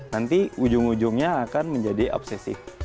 nanti ujung ujungnya akan menjadi obsesi